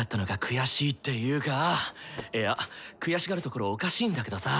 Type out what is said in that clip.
いや悔しがるところおかしいんだけどさ。